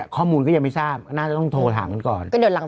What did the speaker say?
พี่โมดรู้สึกไหมพี่โมดรู้สึกไหมพี่โมดรู้สึกไหมพี่โมดรู้สึกไหม